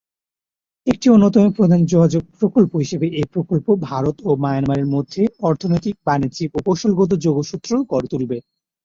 একটি অন্যতম প্রধান যোগাযোগ প্রকল্প হিসেবে এই প্রকল্প ভারত ও মায়ানমারের মধ্যে অর্থনৈতিক, বাণিজ্যিক ও কৌশলগত যোগসূত্র গড়ে তুলবে।